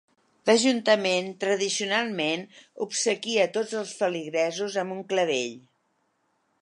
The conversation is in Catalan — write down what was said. L'ajuntament, tradicionalment, obsequia tots els feligresos amb un clavell.